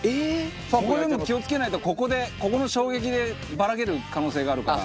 ここでも気を付けないとここでここの衝撃でバラける可能性があるから。